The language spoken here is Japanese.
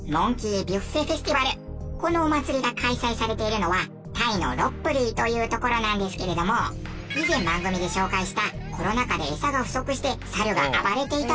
このお祭りが開催されているのはタイのロッブリーという所なんですけれども以前番組で紹介したコロナ禍でエサが不足してサルが暴れていた場所なんです。